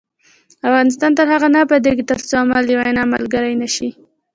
افغانستان تر هغو نه ابادیږي، ترڅو عمل د وینا ملګری نشي.